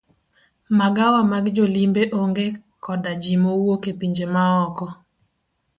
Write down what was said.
Magawa mag jolimbe onge koda ji mawuok e pinje maoko.